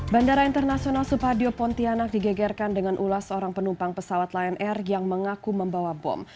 bandara internasional supadio pontianak digegerkan dengan ulas seorang penumpang pesawat lion air yang mengaku membawa bom